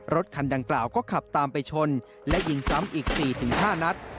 รถคันดังกล่าวก็ขับตามไปชนและยิงซ้ำอีก๔๕นัด